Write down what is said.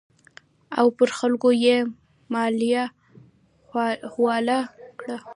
او پر خلکو یې مالیه حواله کړه.